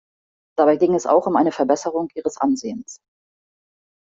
Dabei ging es auch um eine Verbesserung ihres Ansehens.